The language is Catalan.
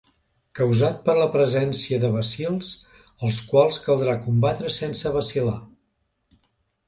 Causat per la presència de bacils, els quals caldrà combatre sense vacil·lar.